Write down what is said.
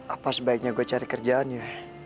apa sebaiknya gue cari kerjaan ya